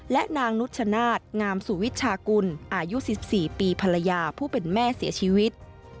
และนางนุชชนาธิ์งามสุวิชากุลอายุ๑๔ปีภรรยาผู้เป็นแม่เสียชีวิต